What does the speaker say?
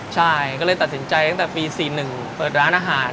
ใช่ก็เลยตัดสินใจตั้งแต่ปี๔๑เปิดร้านอาหาร